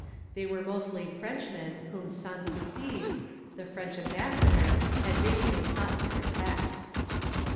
They were mostly Frenchmen whom Saint Sulpice, the French ambassador, had vainly sought to protect.